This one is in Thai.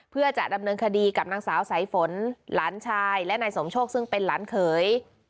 เพื่อจะดำเนินคดีกับนางสาวสายฝนหลานชายและนายสมโชคซึ่งเป็นหลานเขย